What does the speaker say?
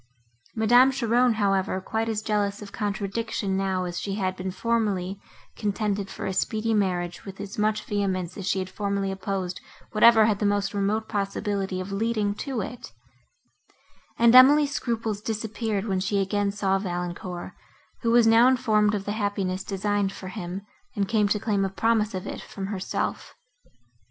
Madame Cheron, however, quite as jealous of contradiction now, as she had been formerly, contended for a speedy marriage with as much vehemence as she had formerly opposed whatever had the most remote possibility of leading to it; and Emily's scruples disappeared, when she again saw Valancourt, who was now informed of the happiness, designed for him, and came to claim a promise of it from herself.